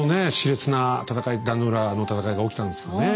熾烈な戦い壇の浦の戦いが起きたんですね。